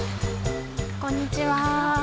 こんにちは。